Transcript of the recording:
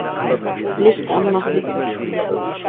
Licht anmachen.